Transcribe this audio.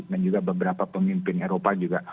dan juga beberapa pemimpin eropa juga